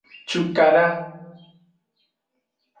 Cukada.